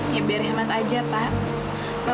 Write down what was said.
ya biar hemat aja pak